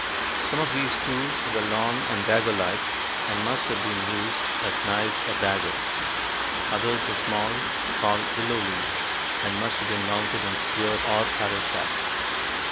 Some of these tools were long and dagger like, and must have been used as knives or daggers. Others were small, called "willow leaf," and must have been mounted on spear or arrow shafts.